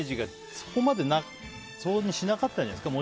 そこまでしなかったんじゃないですか。